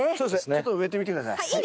ちょっと植えてみて下さい。